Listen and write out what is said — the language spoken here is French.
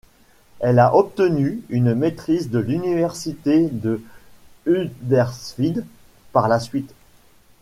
Elle a obtenu une maîtrise de l'Université de Huddersfield, par la suite.